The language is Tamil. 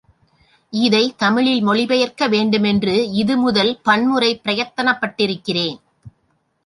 இதைத் தமிழில் மொழி பெயர்க்க வேண்டுமென்று இது முதல் பன்முறை பிரயத்தனப்பட்டிருக்கிறேன்.